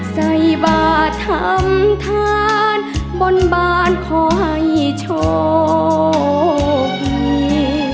ใส่บาดทำทานบนบานคอยชอบมี